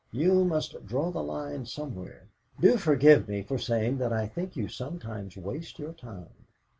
You must draw the line somewhere. Do forgive me for saying that I think you sometimes waste your time."